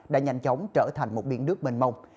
đã nhanh chóng trở thành một biển nước mênh mông